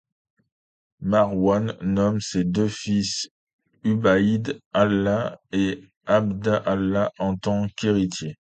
Marwān nomme ses deux fils ʿUbayd Allāh et ʿAbd Allāh en tant qu'héritiers.